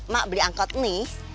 mak beli angkot nih